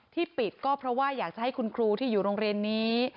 ที่ปิดก็เพราะว่าอยากจะให้คุณครูที่อยู่โรงเรียนนี้